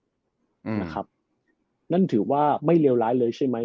นั่นถือว่าไม่เลวร้ายเลยใช่ไหม